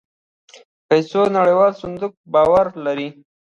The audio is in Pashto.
پيسو نړيوال صندوق باور لري.